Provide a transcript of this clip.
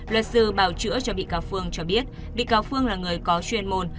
luật sư bảo chữa cho bị cáo phương cho biết bị cáo phương là người có chuyên môn